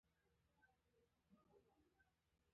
د مهربانه غرونه کتاب يادوم.